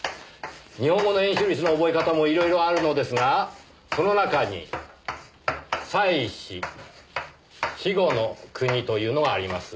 日本語の円周率の覚え方も色々あるのですがその中に「妻子肥後の国」というのがあります。